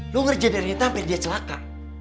lo ngerjain arnita sampe dia celaka